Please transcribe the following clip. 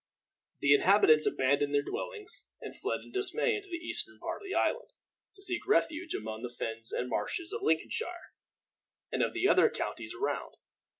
The inhabitants abandoned their dwellings, and fled in dismay into the eastern part of the island, to seek refuge among the fens and marshes of Lincolnshire, and of the other counties around.